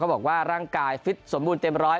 บอกว่าร่างกายฟิตสมบูรณ์เต็มร้อย